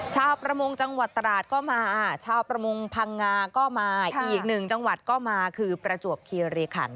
ชาวประมงจังหวัดตราดก็มาชาวประมงพังงาก็มาอีกหนึ่งจังหวัดก็มาคือประจวบคีรีขัน